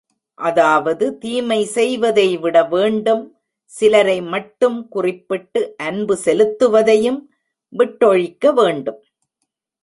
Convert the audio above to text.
அதாவது தீமை செய்வதை விட வேண்டும் சிலரை மட்டும் குறிப்பிட்டு அன்பு செலுத்துவதையும் விட்டொழிக்க வேண்டும்.